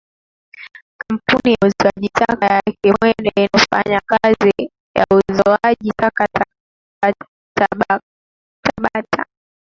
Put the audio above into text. Kampuni ya uzoaji taka ya kimwede inayofanya kazi ya uzoaji taka kata ya Tabata